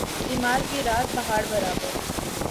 بیمار کی رات پہاڑ برابر